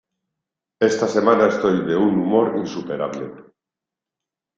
Esta semana estoy de un humor insuperable.